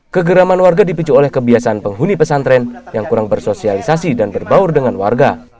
kegeraman warga dipicu oleh kebiasaan penghuni pesantren yang kurang bersosialisasi dan berbaur dengan warga